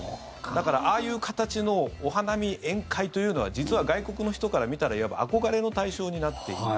だから、ああいう形のお花見、宴会というのは実は外国の人から見たらいわば憧れの対象になっている。